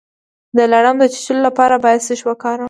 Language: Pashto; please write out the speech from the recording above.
د لړم د چیچلو لپاره باید څه شی وکاروم؟